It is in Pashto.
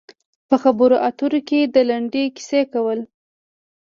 په خبرو اترو کې د لنډې کیسې کول.